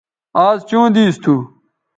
آز چوں دیس تھو